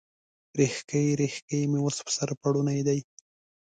ریښکۍ، ریښکۍ مې اوس، په سر پوړني دی